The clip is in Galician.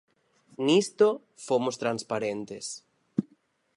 Nisto fomos transparentes.